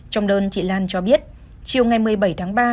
trong đơn chị lan cho biết chiều ngày một mươi bảy tháng ba